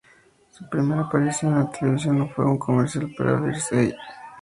Su primera aparición en la televisión fue en un comercial para Birds Eye.